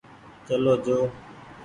چلو جو ۔